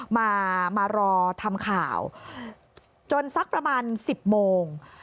มามารอทำข่าวจนสักประมาณ๑๐โมง